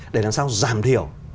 để làm sao giảm thiểu